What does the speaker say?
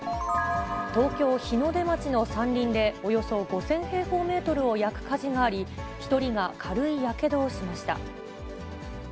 東京・日の出町の山林でおよそ５０００平方メートルを焼く火事があり、１人が軽いやけどをしました。